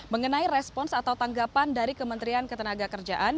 mengenai respons atau tanggapan dari kementerian ketenagakerjaan